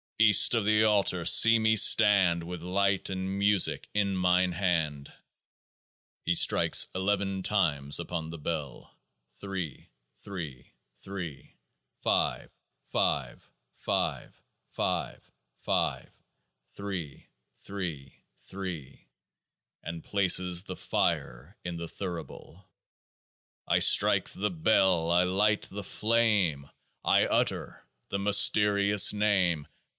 East of the Altar see me stand With Light and Musick in mine hand ! He strikes Eleven times upon the Bell 3 3 3 — 5 5 5 5 5 — 3 3 3 and places the Fire in the Thurible. I strike the Bell : I light the flame : I utter the mysterious Name.